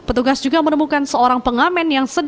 petugas juga menemukan seorang pengamen yang menangkap petugas